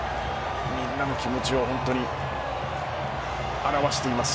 みんなの気持ちを本当に表しています。